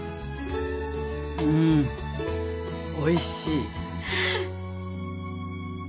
うんおいしい。